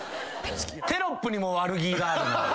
テロップにも悪気があるな。